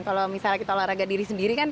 kalau misalnya kita olahraga diri sendiri kan